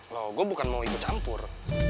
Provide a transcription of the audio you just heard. loh gue bukan mau ikut campur